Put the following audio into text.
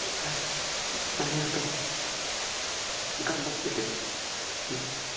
ありがとう。頑張って。